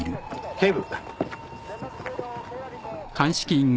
・警部。